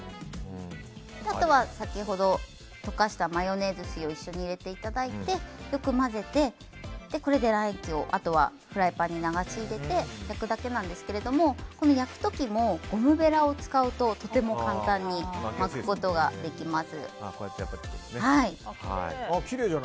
あとは先ほど溶かしたマヨネーズ水を一緒に入れていただいてよく混ぜて、これで卵液をあとはフライパンに流し入れて焼くだけなんですけど焼く時もゴムベラを使うととても簡単に巻くことができます。